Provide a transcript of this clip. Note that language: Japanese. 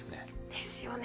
ですよね